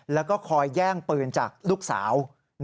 แล้วก็คอยแย่งปืนจากลูกสาว